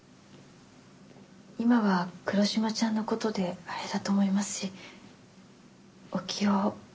今は黒島ちゃんのことであれだと思いますしお気を。